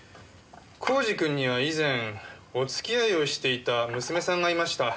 耕治君には以前お付き合いをしていた娘さんがいました。